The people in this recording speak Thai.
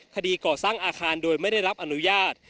คดีก่อสร้างอาคารโดยไม่ได้รับอนุญาต